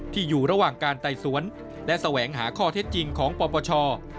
อยู่ระหว่างการไต่สวนและแสวงหาข้อเท็จจริงของปปช